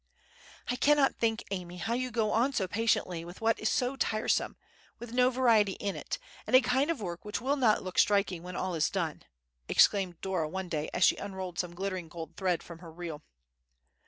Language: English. "I cannot think, Amy, how you can go on so patiently with what is so tiresome, with no variety in it, and a kind of work which will not look striking when all is done," exclaimed Dora one day, as she unrolled some glittering gold thread from her reel.